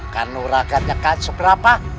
kanurahganya kacau berapa